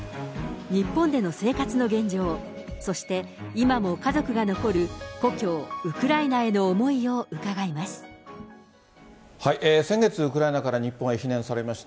日本での生活の現状、そして今も家族が残る故郷、ウクライナへの思いを伺います。